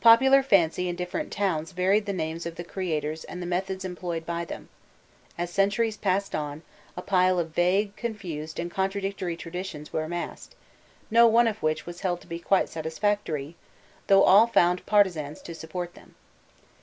Popular fancy in different towns varied the names of the creators and the methods employed by them; as centuries passed on, a pile of vague, confused, and contradictory traditions were amassed, no one of which was held to be quite satisfactory, though all found partisans to support them.